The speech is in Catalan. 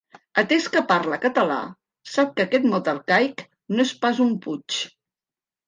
Atès que parla català, sap que aquest mot arcaic no és pas un puig.